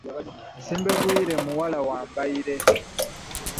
Nsimbi Egwire muwala wa Mbaire.